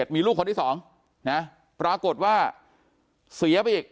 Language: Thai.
มีลูกคนที่๒นะปรากฏว่าเสียไปอีก